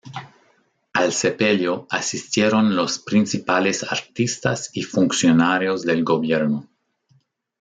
Al sepelio asistieron los principales artistas y funcionarios del gobierno.